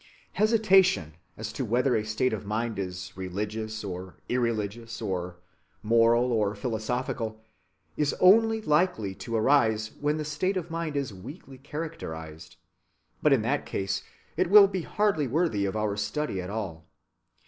Hesitation as to whether a state of mind is "religious," or "irreligious," or "moral," or "philosophical," is only likely to arise when the state of mind is weakly characterized, but in that case it will be hardly worthy of our study at all.